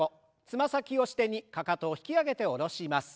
つま先を支点にかかとを引き上げて下ろします。